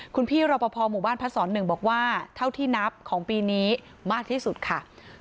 คุณพี่รปภหมู่บ้านพัฒนศ์ส่วนหนึ่งบอกว่าเท่าที่นับของปีนี้มากที่สุดค่ะ